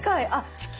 地球。